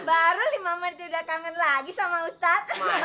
baru lima menit udah kangen lagi sama ustadz